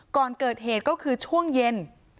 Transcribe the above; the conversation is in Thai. ก่อนเกิดเหตุก็คือช่วงเย็น